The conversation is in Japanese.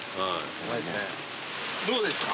どうですか？